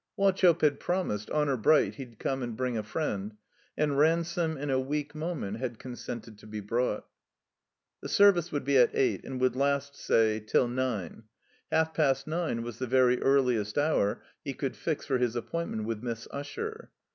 Wauchope had promised. Honor Bright, he'd come and bring a friend. And Ransome, in a weak moment, had consented to be brought. The Service would be at eight, and would last, say, till nine. Half past nine was the very earliest hour he could fix for his appointment with Miss Usher.